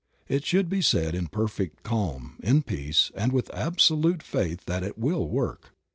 It should be said in perfect calm, in peace, and with absolute faith that it will work.